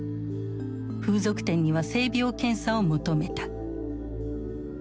風俗店には性病検査を求めた。